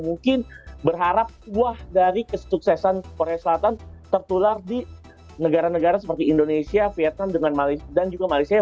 mungkin berharap buah dari kesuksesan korea selatan tertular di negara negara seperti indonesia vietnam dan juga malaysia